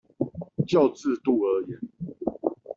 就制度而言